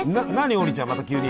王林ちゃんまた急に。